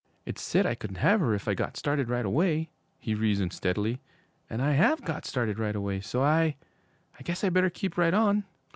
'It said I could have her if I got started right away,' he reasoned steadily, 'and I have got started right away, so I I guess I better keep right on.'